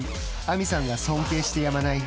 亜実さんが尊敬してやまない